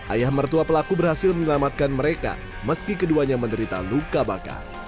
ayah mertua pelaku berhasil menyelamatkan mereka meski keduanya menderita luka bakar